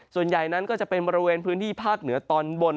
ส่วนใหญ่นั้นก็จะเป็นบริเวณพื้นที่ภาคเหนือตอนบน